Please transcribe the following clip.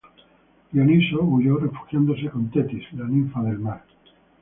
Dioniso huyó, refugiándose con Tetis, la ninfa del mar.